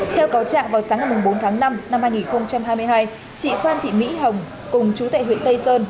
theo cáo trạng vào sáng ngày bốn tháng năm năm hai nghìn hai mươi hai chị phan thị mỹ hồng cùng chú tệ huyện tây sơn